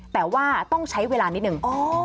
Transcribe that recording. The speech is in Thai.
แต่ว่าต้องใช้เวลานิดนึง